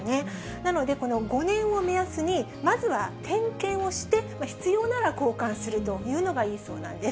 なので、この５年を目安にまずは点検をして、必要なら交換するというのがいいそうなんです。